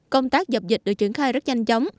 công tác dập dịch được triển khai rất nhanh chóng